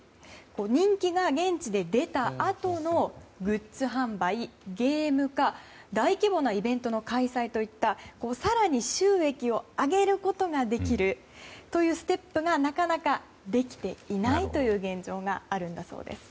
人気が現地で出たあとのグッズ販売、ゲーム化大規模なイベントの開催といった更に収益を上げることができるというステップがなかなかできていないという現状があるんだそうです。